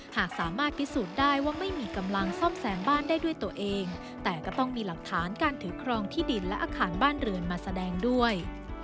หากสามารถพิสูจน์ได้ว่าไม่มีกำลังซ่อมแซมบ้านได้ด้วยตัวเองแต่ก็ต้องมีหลักฐานการถือครองที่ดินและอาคารบ้านเรือนมาแสดงด้วย